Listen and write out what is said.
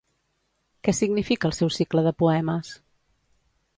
Què significa el seu cicle de poemes?